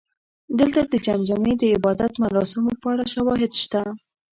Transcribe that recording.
دلته د جمجمې د عبادت مراسمو په اړه شواهد شته